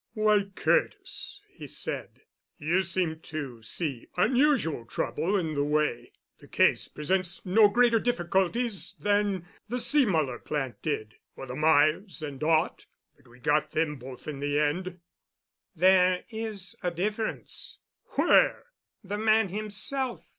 "Why, Curtis," he said, "you seem to see unusual trouble in the way. The case presents no greater difficulties than the Seemuller plant did, or the Myers and Ott, but we got them both in the end." "There is a difference." "Where?" "The man himself.